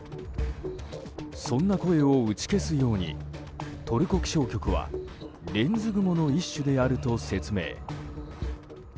そんな声を打ち消すようにトルコ気象局はレンズ雲の一種であると説明。